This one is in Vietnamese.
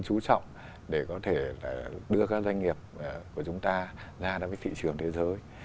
cũng rất là quan trọng để có thể là đưa các doanh nghiệp của chúng ta ra đối với thị trường thế giới